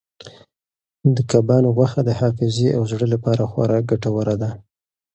د کبانو غوښه د حافظې او زړه لپاره خورا ګټوره ده.